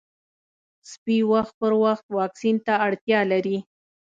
سپي وخت پر وخت واکسین ته اړتیا لري.